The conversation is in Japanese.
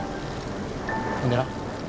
ほんでな